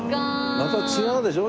また違うでしょ？